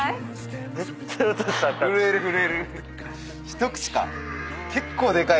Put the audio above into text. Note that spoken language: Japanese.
一口か。